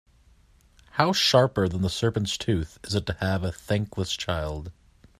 How sharper than the serpent's tooth it is to have a thankless child